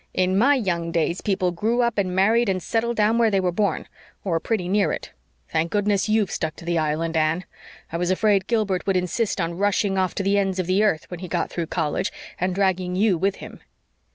"In my young days people grew up and married and settled down where they were born, or pretty near it. Thank goodness you've stuck to the Island, Anne. I was afraid Gilbert would insist on rushing off to the ends of the earth when he got through college, and dragging you with him."